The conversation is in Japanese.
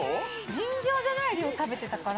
尋常じゃない量食べてたから。